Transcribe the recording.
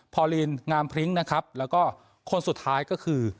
พอลีนงามพริ้งนะครับแล้วก็คนสุดท้ายก็คือ